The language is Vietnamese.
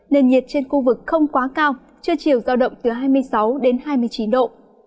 nền nhiệt trên khu vực không quá cao trưa chiều giao động từ hai mươi sáu đến hai mươi chín độ